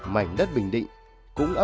mảnh đất bình định cũng ấp ủ